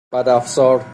بدافزار